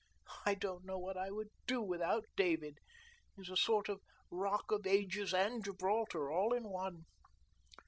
I don't know what I would do without David. He is a sort of Rock of Ages and Gibraltar all in one."